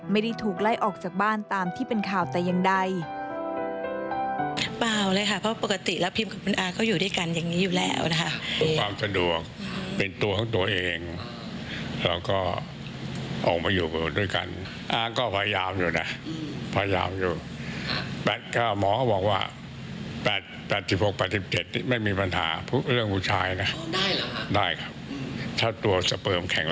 ไม่ได้ถูกไล่ออกจากบ้านตามที่เป็นข่าวแต่อย่างใด